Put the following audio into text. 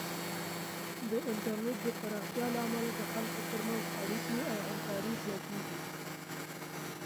د انټرنیټ د پراختیا له امله د خلکو ترمنځ اړیکې او همکاري زیاتېږي.